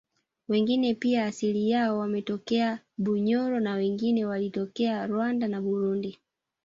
wengine pia asili yao wametokea Bunyoro na wengine wakitokea Rwanda na Burundi